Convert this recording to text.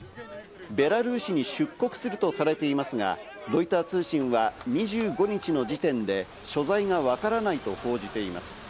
ベラルーシに出国するとされていますが、ロイター通信は２５日の時点で所在がわからないと報じています。